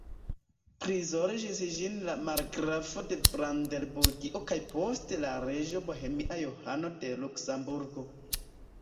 Prizorĝis ĝin la margrafo de Brandenburgio kaj poste la reĝo bohemia Johano de Luksemburgo.